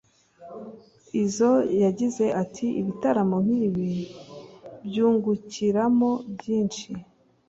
Izzo yagize ati” Ibitaramo nkibi byungukiramo byinshi